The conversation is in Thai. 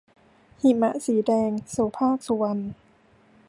หิมะสีแดง - โสภาค สุวรรณ